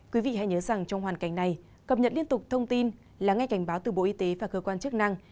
quý vị hãy nhớ rằng trong hoàn cảnh này cập nhật liên tục thông tin lắng nghe cảnh báo từ bộ y tế và cơ quan chức năng